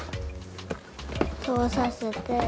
たおさせて。